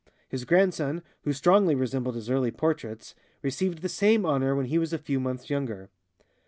His grandson, who strongly resembled his early portraits, received the same honor when he was a few months younger.